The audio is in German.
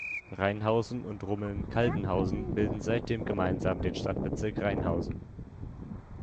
Rheinhausen und Rumeln-Kaldenhausen bilden seitdem gemeinsam den Stadtbezirk Rheinhausen.